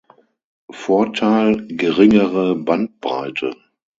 Vorteil: Geringere Bandbreite.